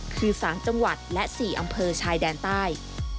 คือ๓จังหวัดและ๔อำเภอชายแดนใต้